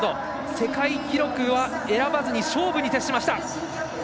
世界記録は選ばずに勝負に徹しました。